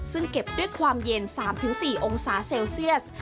ซึ่งเก็บด้วยความเย็น๓๔องศาเซลเซียส